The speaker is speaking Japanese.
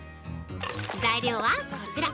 材料はこちら！